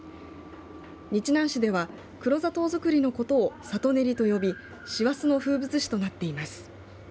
日南市では黒砂糖作りのことをさとねりと呼び師走の風物詩となっています。